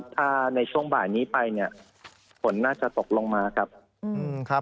ถ้าในช่วงบ่ายนี้ไปเนี่ยฝนน่าจะตกลงมาครับ